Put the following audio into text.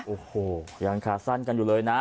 โอ้โหยังขาสั้นกันอยู่เลยนะ